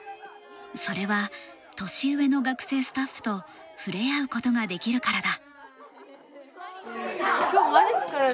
それは年上の学生スタッフとふれあうことができるからだ。